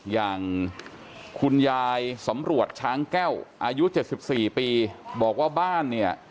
อย่างคุณยายสำรวจช้างแก้วอายุ๗๔ปีบอกว่าบ้านเนี่ย